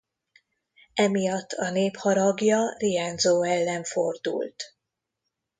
Emiatt a nép haragja Rienzo ellen fordult.